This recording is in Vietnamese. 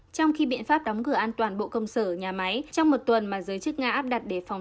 trong khi biện pháp đóng cửa an toàn bộ công sở nhà máy trong một tuần mà giới chức nga áp đặt đề phòng